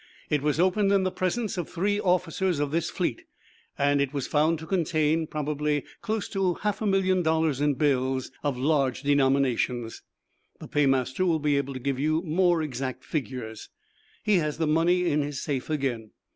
It was opened in the presence of three officers of this fleet, and it was found to contain, probably, close to a half million dollars in bills of large denominations. The paymaster will be able to give you more exact figures. He has the money in his safe again.